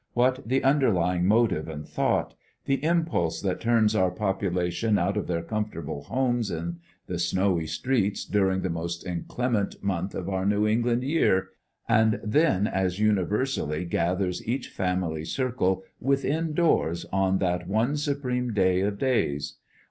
what the underlying motive and thought, the impulse that turns our population out of their comfortable homes in the snowy streets during the most inclement month of our New England year, and then as universally gathers each family circle within doors on that one supreme Day of days?